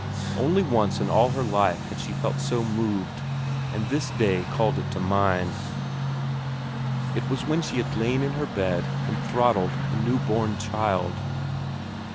Only once in all her life before had she felt so moved, and this day called it to mind; it was when she had lain in her bed and throttled a newborn child.